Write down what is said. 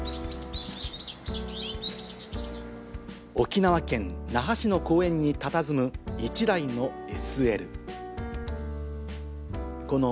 沖縄県那覇市の公園にたたずむ１台のＳＬ。